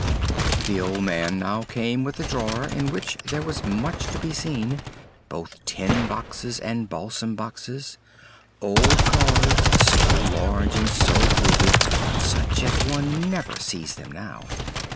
The old man now came with a drawer, in which there was much to be seen, both "tin boxes" and "balsam boxes," old cards, so large and so gilded, such as one never sees them now.